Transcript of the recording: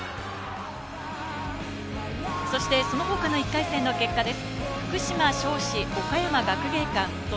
そしてその他の１回戦の結果です。